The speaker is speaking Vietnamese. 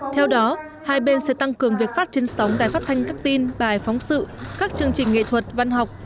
theo đó hai bên sẽ tăng cường việc phát trên sóng đài phát thanh các tin bài phóng sự các chương trình nghệ thuật văn học